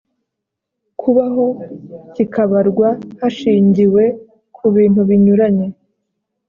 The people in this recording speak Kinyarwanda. kubaho bikabarwa hashingiwe ku bintu binyuranye